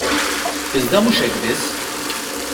Iżda mhux hekk biss.